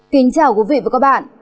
kính chào quý vị và các bạn